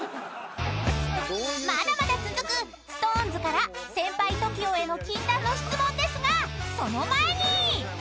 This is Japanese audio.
［まだまだ続くＳｉｘＴＯＮＥＳから先輩ＴＯＫＩＯへの禁断の質問ですがその前に］